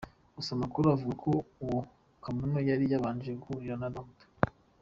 Gusa amakuru avuga ko uwo Kamono yari yabanje guhurira na Dr.